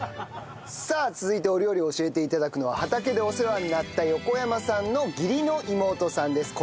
さあ続いてお料理を教えて頂くのは畑でお世話になった横山さんの義理の妹さんです。